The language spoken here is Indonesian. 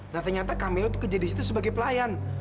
nah ternyata kamila tuh kerja di situ sebagai pelayan